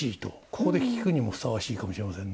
ここで聴くにもふさわしいかもしれませんね。